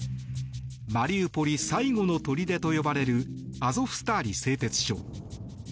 マリウポリ最後のとりでと呼ばれるアゾフスタリ製鉄所。